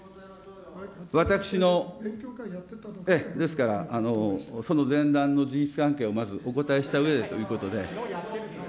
私の、ですから、その前段の事実関係をまずお答えしたうえでということで。